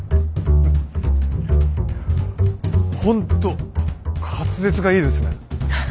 本当滑舌がいいですね。